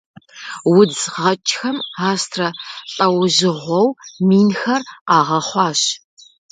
Удз гъэкӏхэм астрэ лӏэужьыгъуэу минхэр къагъэхъуащ.